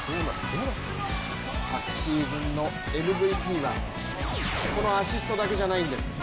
昨シーズンのＭＶＰはこのアシストだけじゃないんです。